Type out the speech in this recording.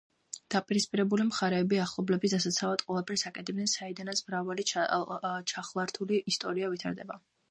დაპირისპირებული მხარეები ახლობლების დასაცავად ყველაფერს აკეთებენ, საიდანაც მრავალი ჩახლართული ისტორია ვითარდება.